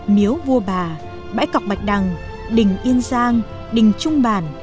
miếu vua bà bãi cọc bạch đằng đình yên giang đình trung bản đền trung cóc